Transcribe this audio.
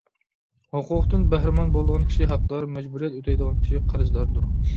ھوقۇقتىن بەھرىمەن بولىدىغان كىشى ھەقدار، مەجبۇرىيەت ئۆتەيدىغان كىشى قەرزداردۇر.